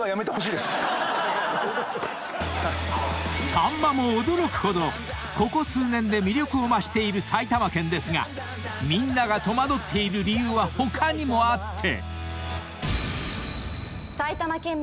［さんまも驚くほどここ数年で魅力を増している埼玉県ですがみんなが戸惑っている理由は他にもあって］